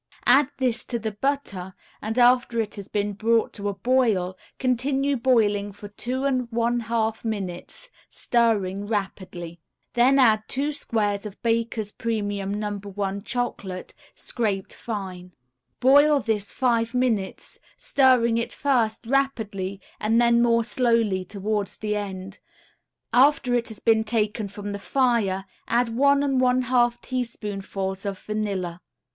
Add this to the butter, and after it has been brought to a boil continue boiling for two and one half minutes, stirring rapidly. Then add two squares of Baker's Premium No. 1 Chocolate, scraped fine. Boil this five minutes, stirring it first rapidly, and then more slowly towards the end. After it has been taken from the fire, add one and one half teaspoonfuls of vanilla.